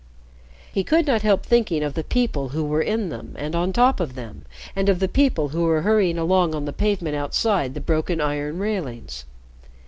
He could not help thinking of the people who were in them, and on top of them, and of the people who were hurrying along on the pavement outside the broken iron railings.